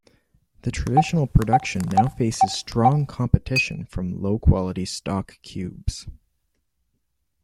The traditional production now faces strong competition from low-quality stock cubes.